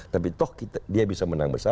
tapi toh dia bisa menang besar